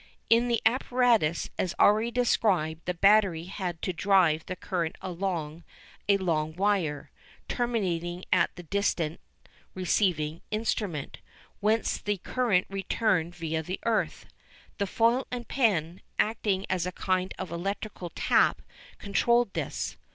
In the apparatus as already described the battery had to drive the current along a long wire, terminating at the distant receiving instrument, whence the current returned via the earth. The foil and pen, acting as a kind of electrical "tap," controlled this.